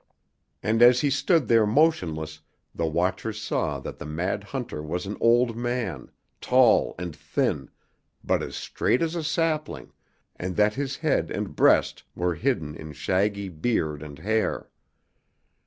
And as he stood there motionless the watchers saw that the mad hunter was an old man, tall and thin, but as straight as a sapling, and that his head and breast were hidden in shaggy beard and hair.